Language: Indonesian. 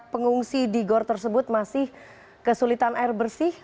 pengungsi di gortaji malela tersebut masih kesulitan air bersih